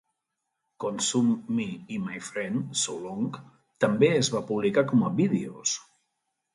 "Consume me" i "My Friend, So Long" també es van publicar com a vídeos.